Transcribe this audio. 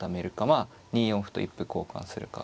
まあ２四歩と一歩交換するか。